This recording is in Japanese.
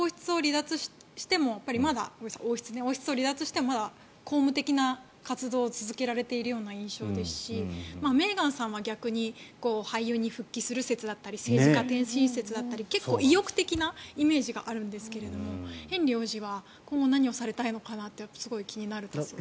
やっぱり王室を離脱してもまだ公務的な活動を続けられているような印象ですしメーガンさんは逆に俳優に復帰する説だったり政治家転身説だったり結構意欲的なイメージがあるんですけれどもヘンリー王子は今後何をされたいのかなとすごく気になります。